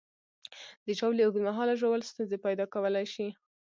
د ژاولې اوږد مهاله ژوول ستونزې پیدا کولی شي.